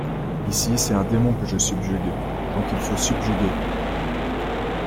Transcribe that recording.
Ici, c'est un démon que je subjugue, donc il faut subjuguer.